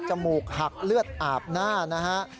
มูกหักเลือดอาบหน้านะฮะ